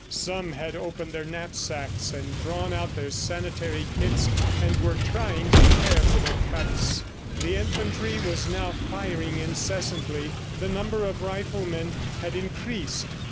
Some had opened their knapsacks and drawn out their sanitary kits and were trying to care for their cuts. The infantry was now firing incessantly. The number of riflemen had increased.